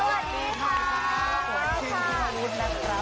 สวัสดีค่ะ